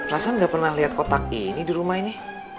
rasan gak pernah lihat kotak ini di rumah ini